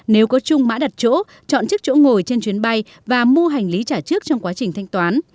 nếu có chung mã đặt chỗ chọn chức chỗ ngồi trên chuyến bay và mua hành lý trả trước trong quá trình thanh toán